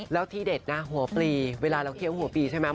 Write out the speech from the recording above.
แล้วที่เด็ดนะหัวปลีเวลาเราเคี้ยวหัวปลีใช่ไหม